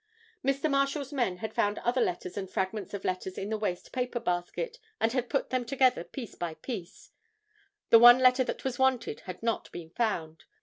The Marshal's men had found other letters and fragments of letters in the waste paper basket and had put them together piece by piece. The one letter that was wanted had not been found.